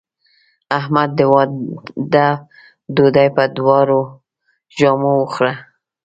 احمد د واده ډوډۍ په دواړو ژامو وخوړه.